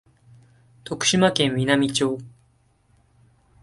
徳島県美波町